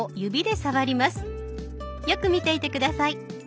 よく見ていて下さい。